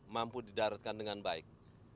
mampu didaratkan dengan baik